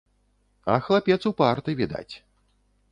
А хлапец упарты, відаць.